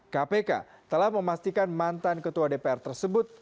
kpk telah memastikan mantan ketua dpr tersebut